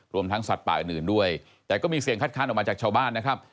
ทั้งสัตว์ป่าอื่นด้วยแต่ก็มีเสียงคัดค้านออกมาจากชาวบ้านนะครับ